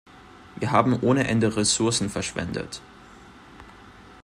Wir haben ohne Ende Ressourcen verschwendet.